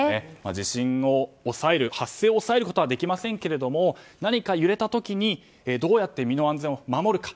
地震を抑える発生を抑えることはできませんけども、揺れた時にどうやって身の安全を守るか。